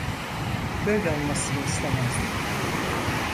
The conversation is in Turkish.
Böyle olmasını istemezdim.